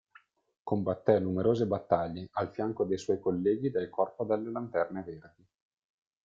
Combatté numerose battaglie al fianco dei suoi colleghi del Corpo delle Lanterne Verdi.